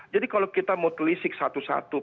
jadi kalau kita mau telisik satu satu